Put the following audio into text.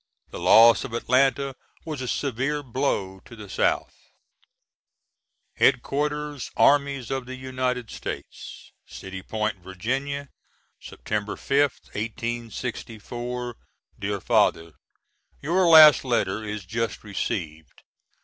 The loss of Atlanta was a severe blow to the South.] HEAD QUARTERS ARMIES OF THE UNITED STATES City Point, Va., Sept. 5th, 1864. DEAR FATHER: Your last letter is just received.